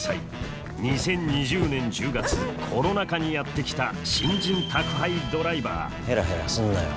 ２０２０年１０月コロナ禍にやって来た新人宅配ドライバーヘラヘラすんなよ。